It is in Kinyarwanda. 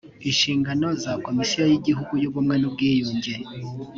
inshingano za komisiyo y’ igihugu y’ ubumwe n’ ubwiyunge